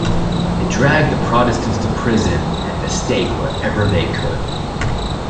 They dragged the Protestants to prison and the stake wherever they could.